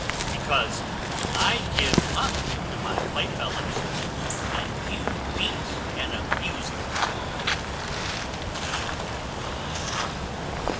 "Because I give up to my playfellows, and you beat and abuse them."